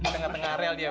tengah tengah rel dia